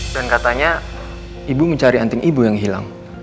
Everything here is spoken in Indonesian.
dan katanya ibu mencari anting ibu yang hilang